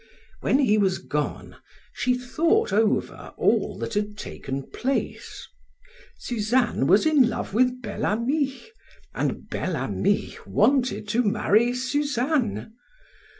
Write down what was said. When he was gone, she thought over all that had taken place. Suzanne was in love with Bel Ami, and Bel Ami wanted to marry Suzanne!